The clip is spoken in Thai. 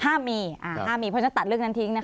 ห้ามมีห้ามมีเพราะฉะนั้นตัดเรื่องนั้นทิ้งนะคะ